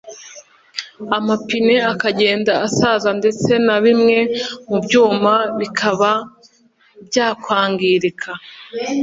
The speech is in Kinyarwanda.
amapine akagenda asaza ndetse na bimwe mu byuma bikaba byakwangirika